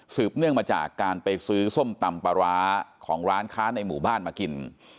เนื่องมาจากการไปซื้อส้มตำปลาร้าของร้านค้าในหมู่บ้านมากิน